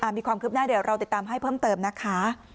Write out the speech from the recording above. มีความคืบหน้าเดี๋ยวเราติดตามให้เพิ่มเติมนะคะ